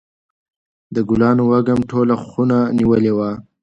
د ګلانو وږم ټوله خونه نیولې وه.